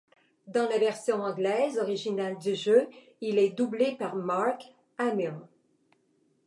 Dans la version anglaise originale du jeu, il est doublé par Mark Hamill.